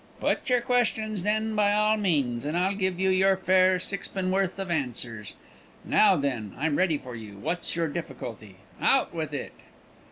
"Put your questions, then, by all means; and I'll give you your fair sixpenn'orth of answers. Now, then, I'm ready for you. What's your difficulty? Out with it."